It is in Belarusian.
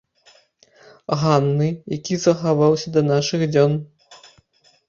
Ганны, які захаваўся да нашых дзён.